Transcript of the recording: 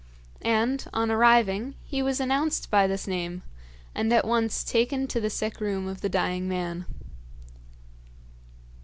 And, on arriving, he was announced by this name, and at once taken to the sick room of the dying man.